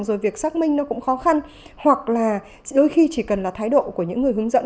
rồi việc xác minh nó cũng khó khăn hoặc là đôi khi chỉ cần là thái độ của những người hướng dẫn